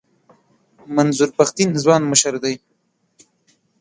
منظور پښتین ځوان مشر دی.